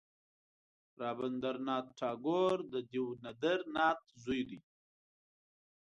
رابندر ناته ټاګور د دیو ندر ناته زوی دی.